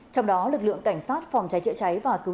trong đó lực lượng cảnh sát phòng cháy chữa cháy và cứu nạn